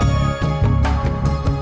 kita prohibisi nalur